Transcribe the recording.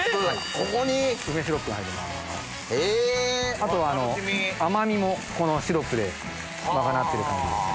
あとは甘みもこのシロップで賄ってる感じですね。